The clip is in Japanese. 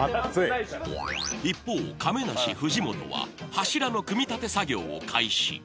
一方、亀梨、藤本は、柱の組み立て作業を開始。